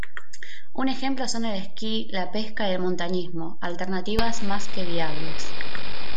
Un ejemplo son el sky, la pesca y el montañismo, alternativas más que viables.